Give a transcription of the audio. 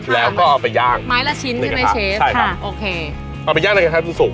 แล้วก็เอาไปย่างไม้ละชิ้นขึ้นในเชฟใช่ครับค่ะโอเคเอาไปย่างด้วยกันให้มันสุก